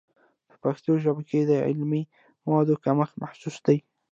په پښتو ژبه کې د علمي موادو کمښت محسوس دی.